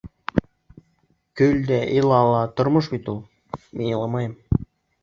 — Көл дә, ила ла, тормош бит у-ул. Мин иламайым.